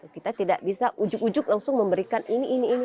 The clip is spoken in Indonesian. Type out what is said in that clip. kita tidak bisa ujug ujug langsung memberikan ini ini ini